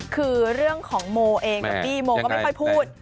คือเรื่องของโมเองกับบี้โมก็ไม่ค่อยพูด